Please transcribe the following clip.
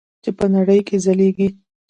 چې په نړۍ کې ځلیږي.